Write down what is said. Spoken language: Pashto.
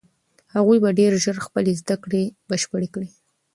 هغوی به ډېر ژر خپلې زده کړې بشپړې کړي.